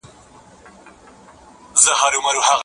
که ته په راتلونکي نه پوهیږې نو پرېکړه مه کوه.